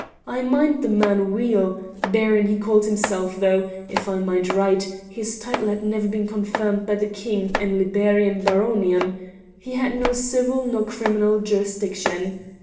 I mind the man weel; Baron he called himself, though, if I mind right, his title had never been confirmed by the king n liberam baroniam He had no civil nor criminal jurisdiction.